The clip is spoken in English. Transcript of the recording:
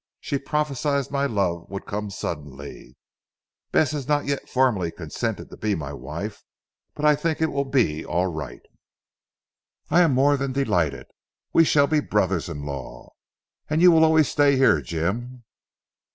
She prophesied my love would come suddenly. Bess has not yet formally consented to be my wife; but I think it will be all right." "I am more than delighted. We shall be brothers in law. And you will always stay here Jim?"